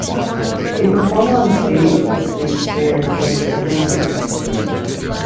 They perform on stage at the state fair during the beginning of the episode.